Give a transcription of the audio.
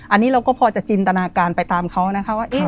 อันนี้เราก็พอจะจินตนาการไปตามเขานะคะว่า